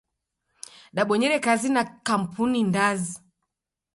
Dabonyere kazi na kampuni ndazi.